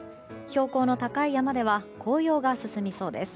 標高の高い山では紅葉が進みそうです。